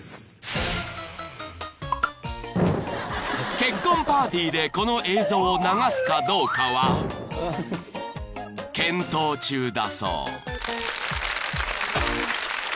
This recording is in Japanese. ［結婚パーティーでこの映像を流すかどうかは検討中だそう］